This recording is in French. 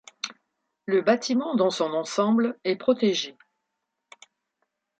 Le bâtiment dans son ensemble est protégé.